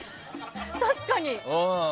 確かに！